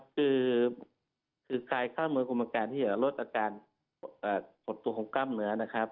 คือคลายกล้ามเนื้อกลุ่มการที่จะลดอาการขดตัวของกล้ามเนื้อ